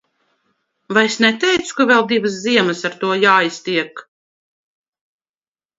Vai es neteicu, ka vēl divas ziemas ar to jāiztiek.